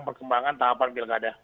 perkembangan tahapan pilkada